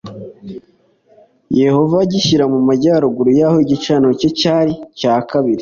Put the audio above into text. yehova agishyira mu majyaruguru y’aho igicaniro cye cyari kabiri